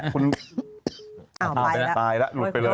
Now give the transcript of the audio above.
อ้าวตายแล้วหลุดไปเลย